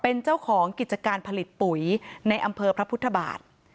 เป็นเจ้าของกิจการผลิตปุ๋ยในอำเภอพระพุทธบาท